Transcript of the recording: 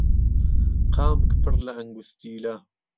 قامک پڕ لە ئەنگوستیلە